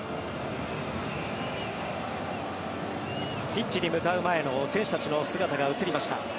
ピッチに向かう前の選手たちの姿が映りました。